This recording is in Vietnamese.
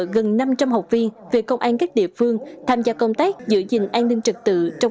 gần năm trăm linh học viên về công an các địa phương tham gia công tác giữ gìn an ninh trật tự trong